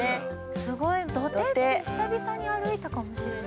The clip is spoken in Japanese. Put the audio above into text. ◆すごい、土手って久々に歩いたかもしれない。